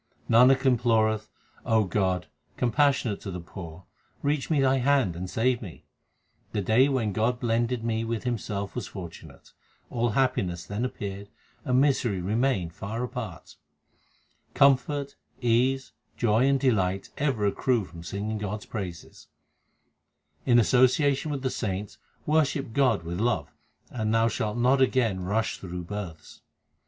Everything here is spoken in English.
Nanak imploreth O God, compassionate to the poor, reach me Thy hand and save me. The day when God blended me with Himself was fortunate: 1 As much sesame as is put at one time into a press. HYMNS OF GURU ARJAN 347 All happiness then appeared, and misery remained far apart. Comfort, ease, joy, and delight ever accrue from singing God s praises. In association with the saints worship God with love, and thou shalt not again rush through births.